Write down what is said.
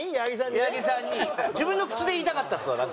矢作さんに自分の口で言いたかったですわなんか。